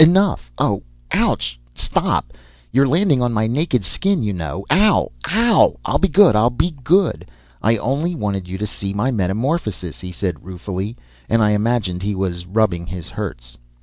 Enough! Oh! Ouch! Stop! You're landing on my naked skin, you know! Ow! O w w! I'll be good! I'll be good! I only wanted you to see my metamorphosis," he said ruefully, and I imagined he was rubbing his hurts.